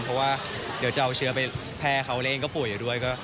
เพราะว่าเดี๋ยวจะเอาเชื้อไปแพร่เขาและเองก็ป่วยอยู่ด้วย